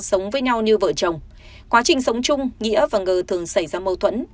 sống với nhau như vợ chồng quá trình sống chung nghĩa và ngự thường xảy ra mâu thuẫn